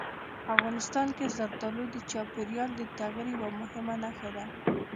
افغانستان کې زردالو د چاپېریال د تغیر یوه مهمه نښه ده.